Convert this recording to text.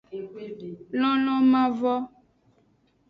Lonlon mavo.